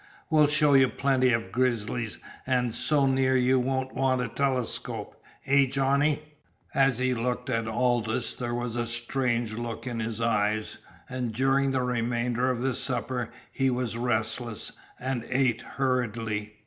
"We'll show you plenty o' grizzlies, an' so near you won't want a telescope. Eh, Johnny?" As he looked at Aldous there was a strange look in his eyes, and during the remainder of the supper he was restless, and ate hurriedly.